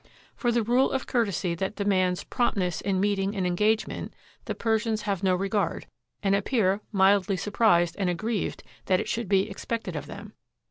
For the rule of courtesy that demands prompt ness in meeting an engagement the Persians have no regard, and appear mildly surprised and aggrieved that it should be expected of them.